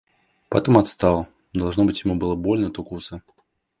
Потом отстал, — должно быть, ему было больно от укуса.